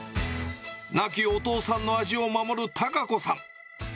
亡きお父さんの味を守る孝子さん。